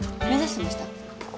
目指してました？